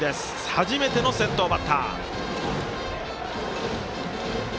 初めての先頭バッター。